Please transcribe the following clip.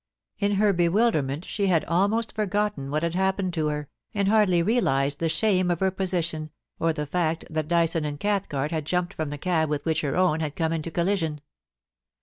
In her bewilderment she had almost forgotten what had happened to her, and hardly realised the shame of her position, or the fact that Dyson and Cathcart had jumped from the cab with which her own had come into collision.